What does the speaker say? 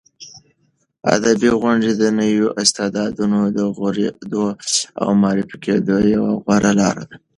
ادبي غونډې د نویو استعدادونو د غوړېدو او معرفي کېدو یوه غوره لاره ده.